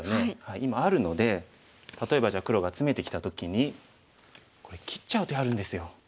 今あるので例えばじゃあ黒がツメてきた時にこれ切っちゃう手あるんですよ。